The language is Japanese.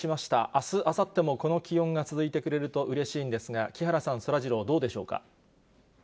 あす、あさっても、この気温が続いてくれるとうれしいんですが、木原さん、そらジロー、どうでしょうか。